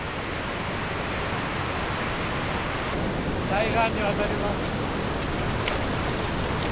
対岸に渡ります。